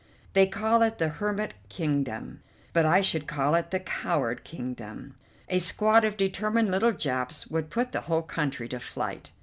They call it the Hermit Kingdom, but I should call it the Coward Kingdom. A squad of determined little Japs would put the whole country to flight."